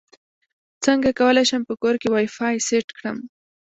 څنګه کولی شم په کور کې وائی فای سیټ کړم